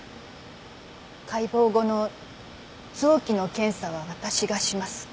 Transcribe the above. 解剖後の臓器の検査は私がします。